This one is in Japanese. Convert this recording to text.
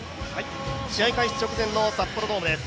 試合開始直前の札幌ドームです。